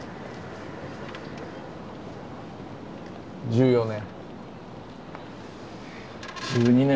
１４年。